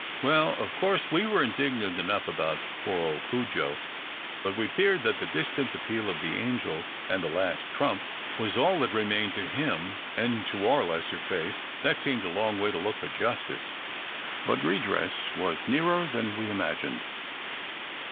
Well, of course we were indignant enough about poor old Cudjo: but we feared that the distant appeal of the angel, and the last trump, was all that remained to him; and, to our lesser faith, that seemed a long way to look for justice. But redress was nearer than we imagined.